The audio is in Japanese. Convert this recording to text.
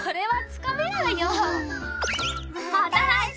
また来週！